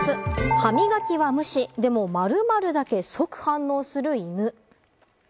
どうぶつ、歯磨きは無視、でも○○だけ即反応をする犬。